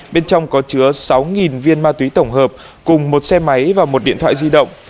bên trong có chứa sáu viên ma túy tổng hợp cùng một xe máy và một điện thoại di động